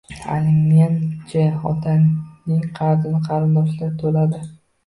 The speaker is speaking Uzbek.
Alimentchi otaning qarzini qarindoshlari to‘ladi